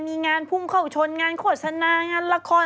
มีงานพุ่งเข้าชนงานโฆษณางานละคร